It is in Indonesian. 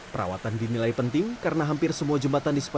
perawatan dinilai penting karena hampir semua jembatan diperlukan